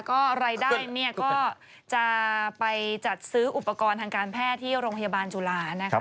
ก็รายได้เนี่ยก็จะไปจัดซื้ออุปกรณ์ทางการแพทย์ที่โรงพยาบาลจุฬานะคะ